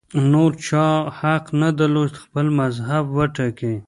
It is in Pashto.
نور چا حق نه درلود خپل مذهب وټاکي